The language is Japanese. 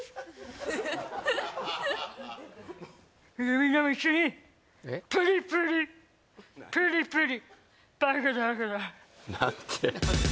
みんなも一緒にプリプリプリプリバカだから何て？